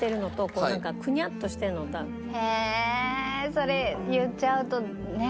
それ言っちゃうとねえ。